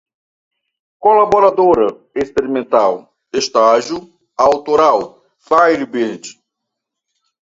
colaboradora, experimental, estágio, autoral, firebird